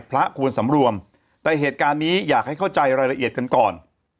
พระควรสำรวมแต่เหตุการณ์นี้อยากให้เข้าใจรายละเอียดกันก่อน